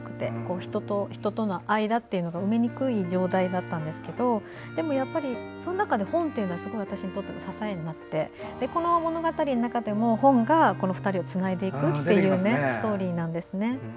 人と人との間が埋めにくい状態だったんですけどその中で、本というのは私にとっての支えになってこの物語の中でも、本が２人をつないでいくっていうストーリーなんですね。